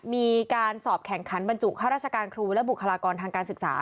มีการสอบแข่งขันบรรจุข้าราชการครูและบุคลากรทางการศึกษา